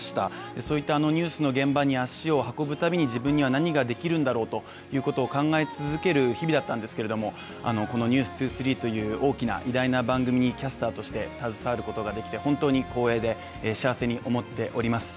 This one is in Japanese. そういったニュースの現場に足を運ぶたびに自分には何ができるんだろうということを考え続ける日々だったんですけれどもこの「ｎｅｗｓ２３」という大きな、偉大な番組にキャスターとして携わることができて本当に光栄で幸せに思っております。